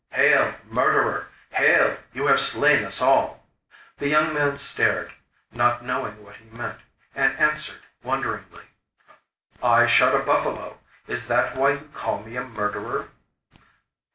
'Hail, murderer! hail! you have slain us all!' The young man stared, not knowing what he meant, and answered, wonderingly: 'I shot a buffalo; is that why you call me a murderer?